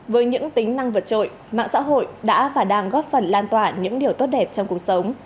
với những tính năng vật trội mạng xã hội đã và đang góp phần lan tỏa những điều tốt đẹp trong cuộc sống